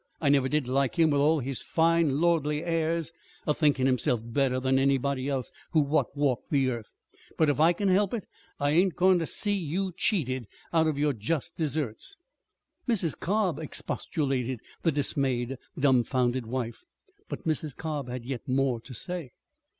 I never did like him, with all his fine, lordly airs, a thinkin' himself better than anybody else what walked the earth. But if I can help it, I ain't goin' ter see you cheated out of your just deserts." "Mrs. Cobb!" expostulated the dismayed, dumfounded wife; but Mrs. Cobb had yet more to say.